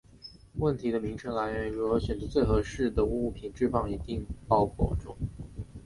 问题的名称来源于如何选择最合适的物品放置于给定背包中。